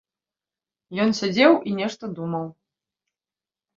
Ён сядзеў і нешта думаў.